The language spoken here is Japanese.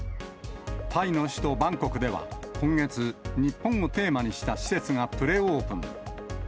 タイの首都バンコクでは、今月、日本をテーマにした施設がプレオープン。